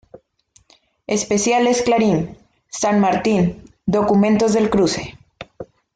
Especiales Clarín: San Martín, "Documentos del Cruce"